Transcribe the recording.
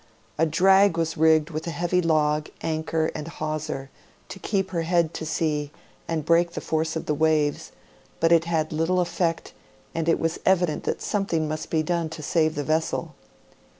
A drag was rigged with a heavy log, anchor, and hawser, to keep her head to sea and break the force of the waves, but it had little effect, and it was evident that something must be done to save the vessel.